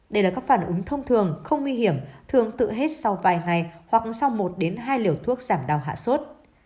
đây là các phản ứng thông thường không nguy hiểm thường tự hết sau vài ngày hoặc sau một hai liều thuốc giảm đau hạ sốt